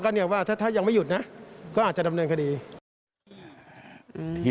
ก็เนี่ยว่าถ้าถ้ายังไม่หยุดนะก็อาจจะดำเนินคดี